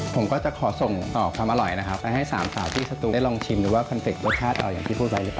ต่อออกความอร่อยนะครับแล้วให้สามสาวที่สตูได้ลองชิมหรือว่าคอนเฟรตรสชาติอร่อยอย่างที่พูดว่าใช่ป่ะ